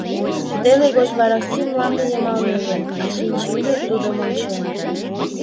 Теле гоч вараксим мланде йымалне илен, а Чинче ӱдыр тудым ончен.